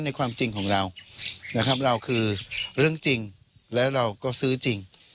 นะครับเราคือเรื่องจริงและเราก็ซื้อจริง